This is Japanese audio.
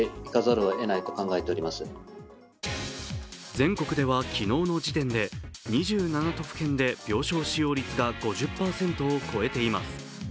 全国では昨日の時点で２７都府県で病床使用率が５０％を超えています。